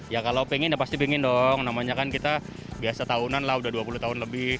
ya kalau pengen ya pasti pengen dong namanya kan kita biasa tahunan lah udah dua puluh tahun lebih